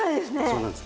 そうなんです。